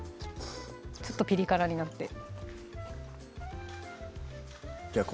ちょっとピリ辛になってじゃあ